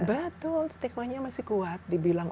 betul stigmanya masih kuat dibilang